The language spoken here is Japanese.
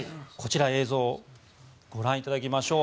映像をご覧いただきましょう。